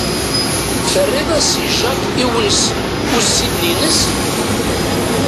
Terriḍ-as i Jacques iwensen ussiden ines?